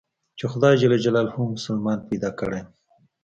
چې خداى مسلمان پيدا کړى يم.